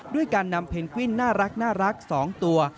ด้วยการนำเพนกวิ้นน่ารัก๒ตัว